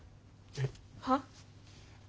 えっ？はっ？